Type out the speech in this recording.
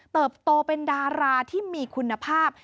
โตเป็นดาราที่มีคุณภาพ